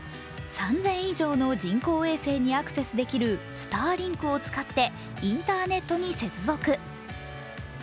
３０００以上の人工衛星にアクセスできるスターリンクを使ってインターネットに接続。